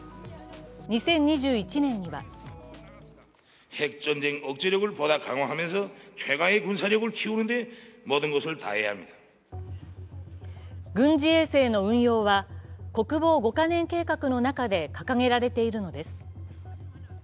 ２０２１年には軍事衛星の運用は国防５か年計画の中で掲げられているのです。